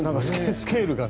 スケールが。